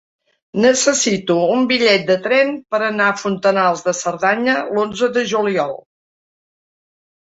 Necessito un bitllet de tren per anar a Fontanals de Cerdanya l'onze de juliol.